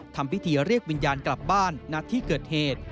ทำพิธีเรียกวิญญาณกลับบ้านณที่เกิดเหตุ